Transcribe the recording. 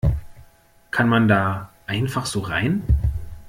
Kann man da einfach so rein?